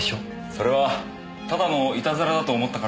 それはただのいたずらだと思ったからですよ。